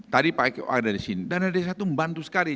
tadi pak eko ada di sini dana desa itu membantu sekali